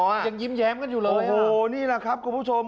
ยังยิ้มแย้มกันอยู่เลยโอ้โหนี่แหละครับคุณผู้ชม